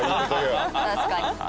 確かに。